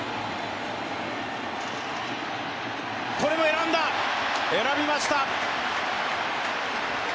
これも選んだ、選びました。